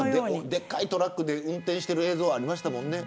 でかいトラックで運転してる映像ありましたよね。